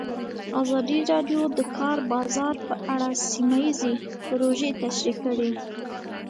ازادي راډیو د د کار بازار په اړه سیمه ییزې پروژې تشریح کړې.